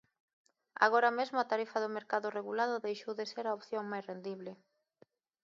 Agora mesmo a tarifa do mercado regulado deixou de ser a opción máis rendible.